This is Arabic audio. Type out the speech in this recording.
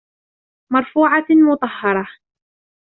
مَّرْفُوعَةٍ مُّطَهَّرَةٍ